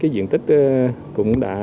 diện tích cũng đã